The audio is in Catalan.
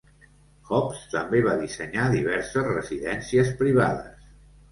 Hobbs també va dissenyar diverses residències privades.